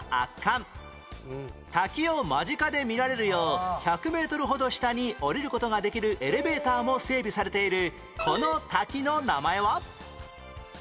滝を間近で見られるよう１００メートルほど下に降りる事ができるエレベーターも整備されているこの滝の名前は？